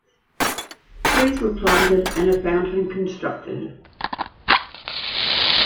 Trees were planted, and a fountain constructed.